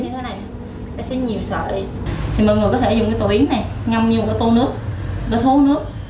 thì mọi người có thể dùng cái tổ yến này